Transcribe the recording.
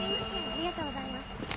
ありがとうございます。